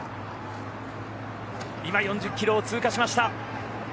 今、４０キロを通過しました。